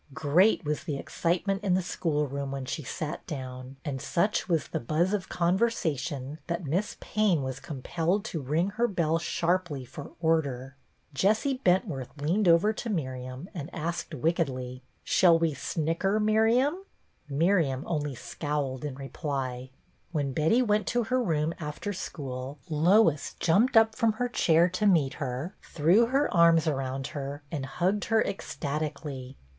Great was the excitement in the school room when she sat down, and such was the buzz of conversation that Miss Payne was compelled to ring her bell sharply for order. Jessie Bentworth leaned over to Miriam, and asked wickedly, —" Shall we snicker, Miriam ?" Miriam only scowled in reply. When Betty went to her room after school, Lois jumped up from her chair to meet her, threw her arms around her, and hugged her ecstatically.